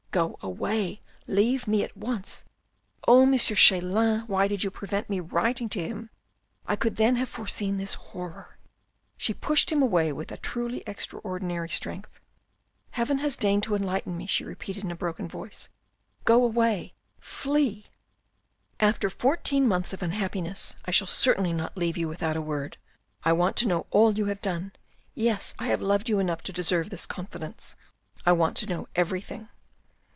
" Go away, leave me at once. Oh, M. Chelan, why did you prevent me writing to him ? I could then have foreseen this horror." She pushed him away with a truly extraordinary strength. " Heaven has deigned to enlighten me," she repeated in a broken voice. " Go away ! Flee !" "After fourteen months of unhappiness I shall certainly not leave you without a word. I want to know all you have done. Yes, I have loved you enough to deserve this con fidence. I want to know everything."